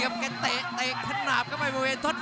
รับทราบบรรดาศักดิ์